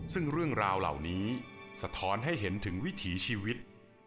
ซึ่งเรื่องราวเหล่านี้สะท้อนให้เห็นถึงวิถีชีวิต